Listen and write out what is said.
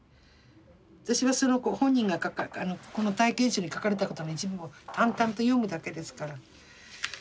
私はそのご本人がこの体験集に書かれたことの一部を淡々と読むだけですから。